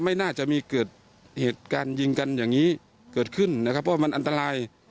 ไม่น่าจะมีเกิดเหตุการณ์ยิงกันอย่างนี้เกิดขึ้นนะครับเพราะมันอันตราย